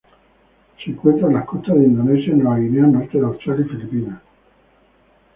Se encuentran en las costas de Indonesia, Nueva Guinea, norte de Australia y Filipinas.